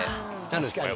確かに。